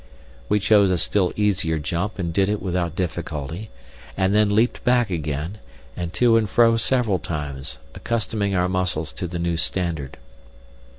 We chose a still easier jump and did it without difficulty, and then leapt back again, and to and fro several times, accustoming our muscles to the new standard.